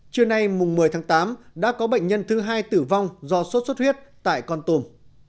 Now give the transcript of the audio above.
trưa nay một mươi tháng tám đã có bệnh nhân thứ hai tử vong do sốt xuất huyết tại con tùm